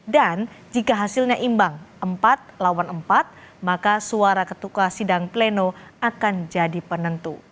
dan jika hasilnya imbang empat lawan empat maka suara ketua sidang pleno akan jadi penentu